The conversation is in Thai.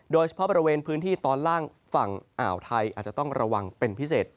โดยเฉพาะบริเวณพื้นที่ตอนล่างฝั่งอ่าวไทยอาจจะต้องระวังเป็นพิเศษ